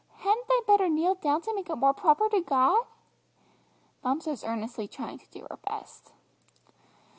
Hadn't I better kneel down to make it more proper to God?" Bumps was earnestly trying to do her best.